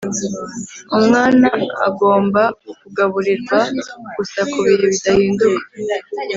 Umwana agomba kugaburirwa gusa ku bihe bidahinduka